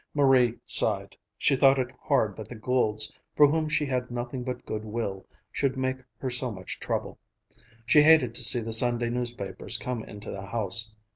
Marie sighed. She thought it hard that the Goulds, for whom she had nothing but good will, should make her so much trouble. She hated to see the Sunday newspapers come into the house.